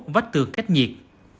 vách tường cách nhiệt